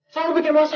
selalu bikin masalah